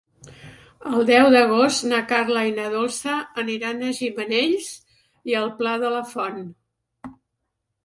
El deu d'agost na Carla i na Dolça aniran a Gimenells i el Pla de la Font.